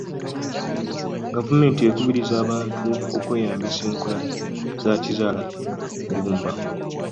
Gavumenti ekubiriza abantu okweyambisa enkola za kizaalaggumba.